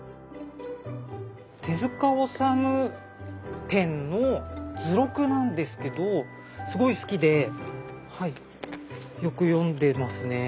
手治虫展の図録なんですけどすごい好きではいよく読んでますね。